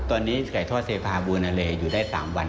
ตอนนี้ไก่ทอดเทพาบูนาเลอยู่ได้๓วัน